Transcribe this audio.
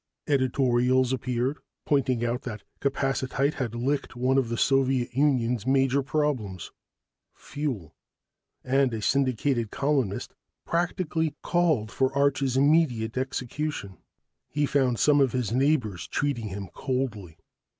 Editorials appeared, pointing out that capacitite had licked one of the Soviet Union's major problems, fuel; and a syndicated columnist practically called for Arch's immediate execution. He found some of his neighbors treating him coldly.